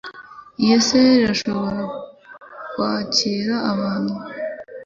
Iyi salle irashobora kwakira abantu .